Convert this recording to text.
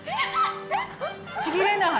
ちぎれない！